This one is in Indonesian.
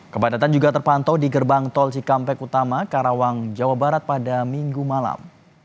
kepadatan juga terpantau di gerbang tol cikampek utama karawang jawa barat pada minggu malam